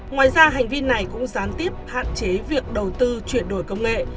ngoài ra hành vi này cũng gián tiếp hạn chế việc đầu tư chuyển đổi công nghệ